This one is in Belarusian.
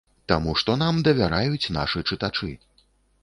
Таму, што нам давяраюць нашы чытачы.